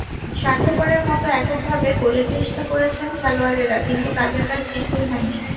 স্বার্থপরের মতো এককভাবে গোলের চেষ্টা করেছেন খেলোয়াড়েরা, কিন্তু কাজের কাজ কিছুই হয়নি।